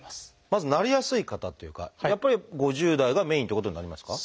まずなりやすい方というかやっぱり５０代がメインということになりますか？